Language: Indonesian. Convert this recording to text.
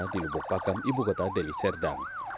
dan di lubuk pakam ibu kota deli serdang